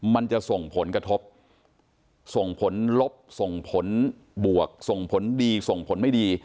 มันจะส่งผลกระทบส่งผลลบส่งผลบวกส่งผลดีส่งผลไม่ดี